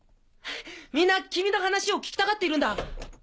みんな君の話を聞きたがっているんだ。